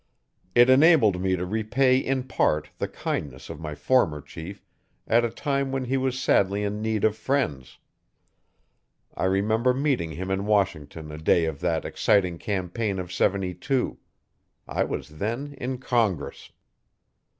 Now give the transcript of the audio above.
It enabled me to repay in part the kindness of my former chief at a time when he was sadly in need of friends. I remember meeting him in Washington a day of that exciting campaign of '72. I was then in Congress.